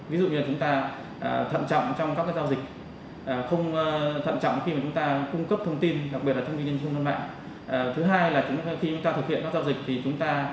ví dụ như là chúng ta thận trọng trong các giau dịch